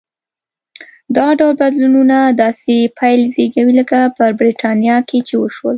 دا ډول بدلونونه داسې پایلې زېږوي لکه په برېټانیا کې چې وشول.